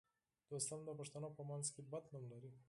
دوستم د پښتنو په منځ کې بد نوم لري